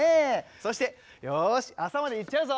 そして「よし朝までいっちゃうぞ」。